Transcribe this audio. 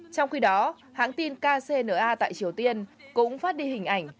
trong khi đó hãng tin kcna tại triều tiên cũng phát đi hình ảnh